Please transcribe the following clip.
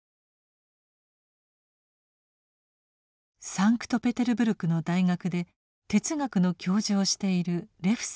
サンクトペテルブルクの大学で哲学の教授をしているレフさん。